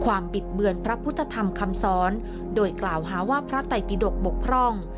บิดเบือนพระพุทธธรรมคำสอนโดยกล่าวหาว่าพระไตปิดกบกพร่อง